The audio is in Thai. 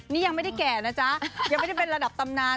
นี่ยังไม่ได้แก่นะจ๊ะยังไม่ได้เป็นระดับตำนาน